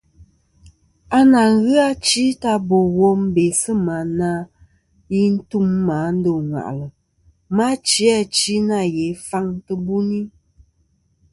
À nà ghɨ achi ta bò wom bê sɨ̂ mà na yi n-nî tum mà a ndô ŋwàʼlɨ, ma chi achi nâ ghè faŋ tɨ̀ buni.